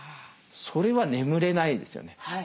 それは眠れないですよね。